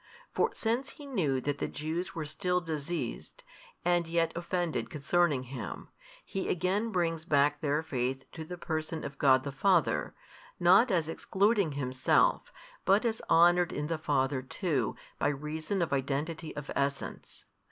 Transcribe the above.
For since He knew that the Jews were still diseased, and yet offended concerning Him, He again brings back their faith to the Person of God the Father, not as excluding Himself, but as honoured in the Father too by reason of Identity of Essence.